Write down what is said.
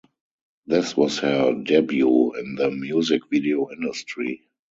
This was her debut in the music video industry.